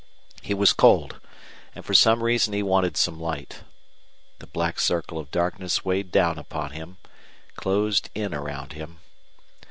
He was cold, and for some reason he wanted some light. The black circle of darkness weighed down upon him, closed in around him.